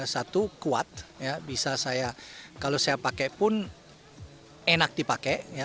satu kuat bisa saya kalau saya pakai pun enak dipakai